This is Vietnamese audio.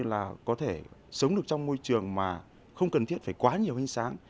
là có thể sống được trong môi trường mà không cần thiết phải quá nhiều ánh sáng